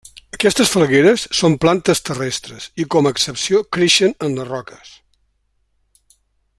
Aquestes falgueres són plantes terrestres i com a excepció creixen en les roques.